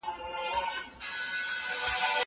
که وخت وي، پاکوالي ساتم!